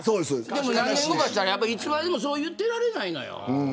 でも何年後かしたら、いつまでもそう言ってられないのよ。